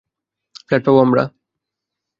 Flat পাবো আমরা।